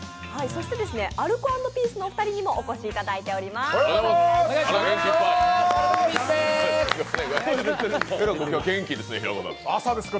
そしてアルコ＆ピースのお二人にもお越しいただいています。